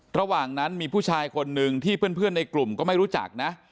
ระหว่างนั้นมีผู้ชายคนนึงที่เพื่อนในกลุ่มก็ไม่รู้จักนะ